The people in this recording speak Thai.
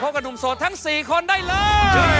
กับหนุ่มโสดทั้ง๔คนได้เลย